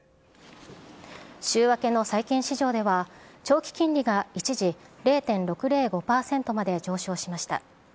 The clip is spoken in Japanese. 週明けの債券市場では、長期金利が一時０．６０５％まで上昇しました。